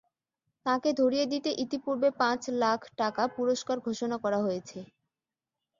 তাঁকে ধরিয়ে দিতে ইতিপূর্বে পাঁচ লাখ টাকা পুরস্কার ঘোষণা করা হয়েছে।